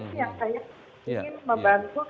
ini yang saya ingin membantu